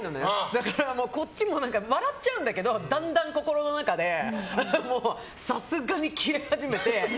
だから、こっちも笑っちゃうんだけどだんだん心の中でさすがにキレ始めて。